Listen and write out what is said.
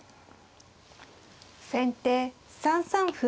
先手３三歩。